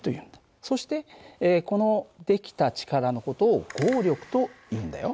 そしてこの出来た力の事を合力というんだよ。